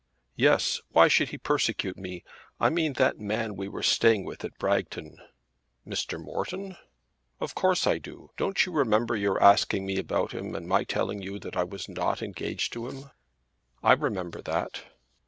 "Yes. Why should he persecute me? I mean that man we were staying with at Bragton." "Mr. Morton?" "Of course I do. Don't you remember your asking me about him, and my telling you that I was not engaged to him?" "I remember that."